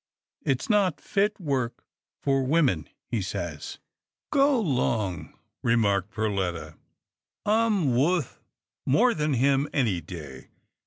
It's not fit work for women, he says." "Go 'long," remarked Perletta. "I'm wuth more than him any day.